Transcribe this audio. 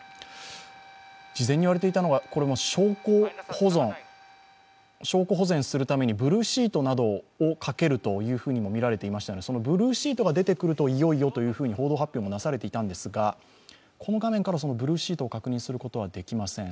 事前に言われていたのが、証拠保全するためにブルーシートなどをかけるとみられていましたが、そのブルーシートが出てくるといよいよというふうに報道発表がなされていたんですがこの画面からはブルーシートを確認することはできません。